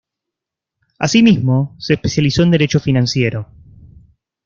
Asimismo, se especializó en Derecho financiero.